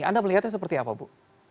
anda melihatnya seperti apa bu